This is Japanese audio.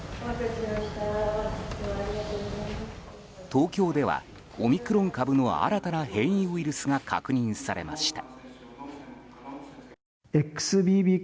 東京ではオミクロン株の新たな変異ウイルスが確認されました。